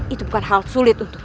itu bukan hal sulit untuk